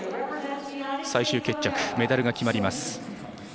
最終決着、メダルが決まります。